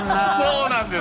そうなんです。